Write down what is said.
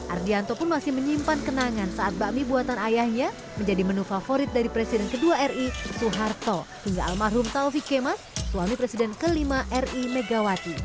ardianto pun masih menyimpan kenangan saat bakmi buatan ayahnya menjadi menu favorit dari presiden kedua ri suharto hingga almarhum taufik kemas suami presiden ke lima ri megawati